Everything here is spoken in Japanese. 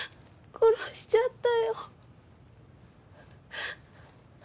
殺しちゃったよ。